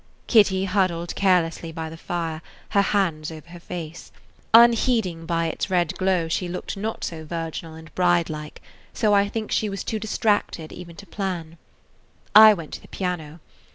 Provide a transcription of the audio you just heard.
Kitty huddled carelessly by the fire, her hands over her face, unheeding by its red glow she looked not so virginal and bride like; so I think she was too distracted even to plan. I went to the piano.